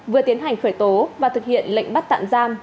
vừa tiến hành khởi tố và thực hiện lệnh bắt tạm giam